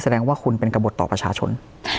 แสดงว่าคุณเป็นกระบดต่อประชาชน